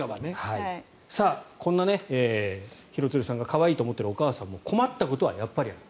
こんな廣津留さんが可愛いと思っているお母さんも困ったことはある。